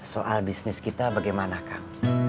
soal bisnis kita bagaimana kang